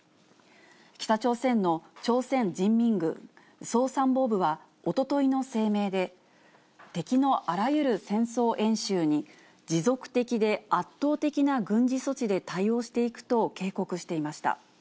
北朝鮮の朝鮮人民軍総参謀部はおとといの声明で、敵のあらゆる戦争演習に持続的で圧倒的な軍事措置で対応していくと警告していました。